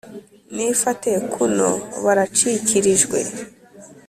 nifate kuno baracikirijwe,